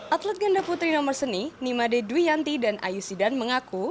atlet ganda putri nomor seni nimade dwi yanti dan ayu sidan mengaku